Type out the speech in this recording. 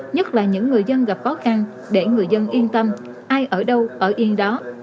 nhất là những người dân gặp khó khăn để người dân yên tâm ai ở đâu ở yên đó